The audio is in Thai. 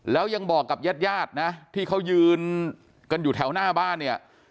แล้วยังบอกกับญาติญาตินะที่เขายืนกันอยู่แถวหน้าบ้านเนี่ย